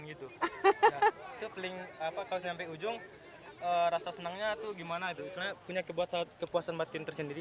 itu paling apa kalau sampai ujung rasa senangnya tuh gimana itu punya kepuasan kepuasan tercendiri